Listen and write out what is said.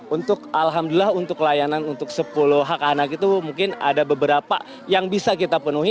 untuk alhamdulillah untuk layanan untuk sepuluh hak anak itu mungkin ada beberapa yang bisa kita penuhi